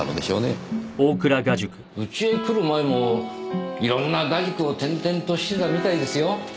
うちへ来る前もいろんな画塾を転々としてたみたいですよ。